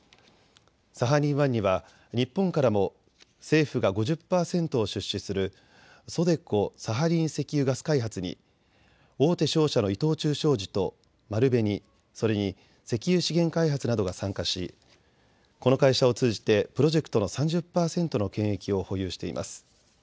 サハリン１には日本からも政府が５０％を出資するＳＯＤＥＣＯ・サハリン石油ガス開発に大手商社の伊藤忠商事と丸紅、それに石油資源開発などが参加しこの会社を通じてプロジェクトの３０％の権益を保有しています。